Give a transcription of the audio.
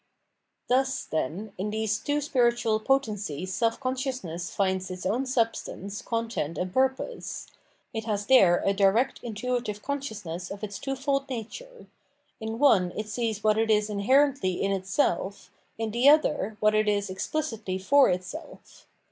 Thus, then, in these two spiritual potencies self consciousness finds its own substance, content, and purpose ; it has there a direct intuitive consciousness of its twofold nature ; in one it sees what it is inherently in itself, in the other what it is explicitly for it self.